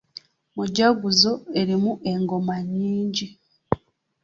Mujaguzo erimu engoma nnyingi.